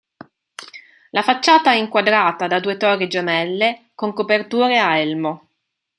La facciata è inquadrata da due torri gemelle con coperture a elmo.